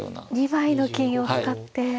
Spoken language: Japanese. ２枚の金を使って。